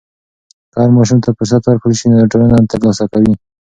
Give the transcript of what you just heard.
که هر ماشوم ته فرصت ورکړل سي، نو ټولنه ترلاسه کوي.